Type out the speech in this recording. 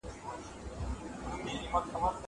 زه له سهاره مېوې راټولوم!!